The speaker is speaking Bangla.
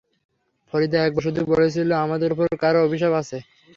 ফরিদা একবার শুধু বলেছিলেন, আমাদের ওপর কারোর অভিশাপ আছে।